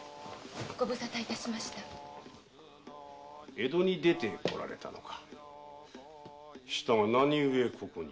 江戸に出てこられたのかしたが何故ここに？